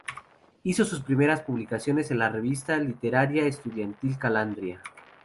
Hizo sus primeras publicaciones en la revista literaria estudiantil "Calandria".